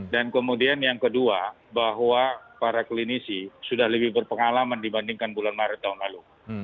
dan kemudian yang kedua bahwa para klinisi sudah lebih berpengalaman dibandingkan bulan maret tahun lalu